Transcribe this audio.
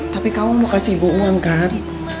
tapi kamu mau kasih ibu uang kan